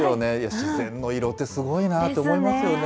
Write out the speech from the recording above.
自然の色ってすごいなって思いますよね。